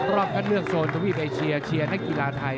รอบคัดเลือกโซนทวีปเอเชียเชียร์นักกีฬาไทย